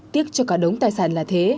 tiếc cho cả đống tài sản là thế